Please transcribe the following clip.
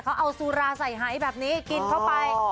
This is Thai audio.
เขาเอาสุราใส่หายแบบนี้กินเข้าไป